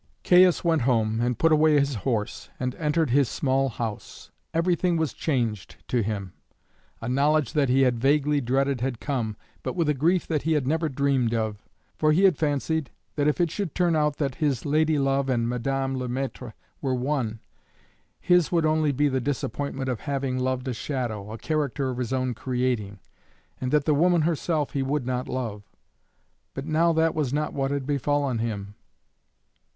Caius went home, and put away his horse, and entered his small house. Everything was changed to him; a knowledge that he had vaguely dreaded had come, but with a grief that he had never dreamed of. For he had fancied that if it should turn out that his lady love and Madame Le Maître were one, his would only be the disappointment of having loved a shadow, a character of his own creating, and that the woman herself he would not love; but now that was not what had befallen him.